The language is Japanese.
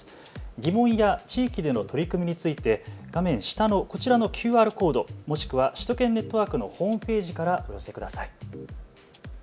疑問や地域での取り組みについて画面下のこちらのＱＲコード、もしくは首都圏ネットワークのホームページからお寄せください。